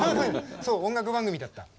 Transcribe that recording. そう音楽番組だった。